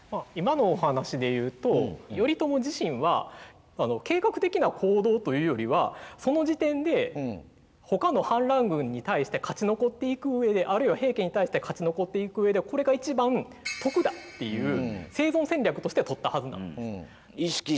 今のお話で言うと頼朝自身は計画的な行動というよりはその時点でほかの反乱軍に対して勝ち残っていく上であるいは平家に対して勝ち残っていく上でこれが一番得だっていう生存戦略としては取ったはずなんです。